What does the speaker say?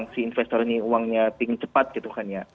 si investor ini uangnya pink cepat gitu kan ya